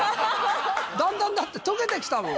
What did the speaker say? だんだん、だって、とけたきたもん。